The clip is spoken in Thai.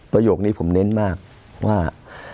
ประโยคนี้ผมเน้นมากว่า